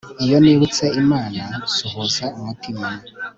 iyo nibutse imana, nsuhuza umutima